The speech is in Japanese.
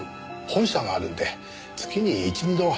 本社があるんで月に１２度。